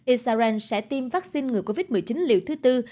israel sẽ tiêm vaccine ngừa covid một mươi chín liều thứ tư